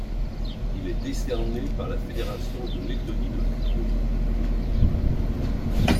Il est décerné par la Fédération de Lettonie de football.